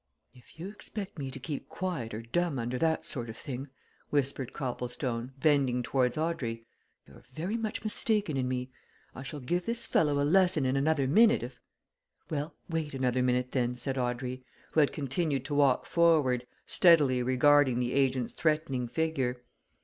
"If you expect me to keep quiet or dumb under that sort of thing," whispered Copplestone, bending towards Audrey, "you're very much mistaken in me! I shall give this fellow a lesson in another minute if " "Well, wait another minute, then," said Audrey, who had continued to walk forward, steadily regarding the agent's threatening figure.